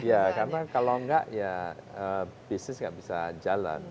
ya karena kalau enggak ya bisnis gak bisa jalan